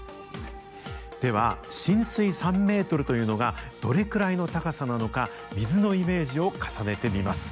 では浸水３ｍというのがどれくらいの高さなのか水のイメージを重ねてみます。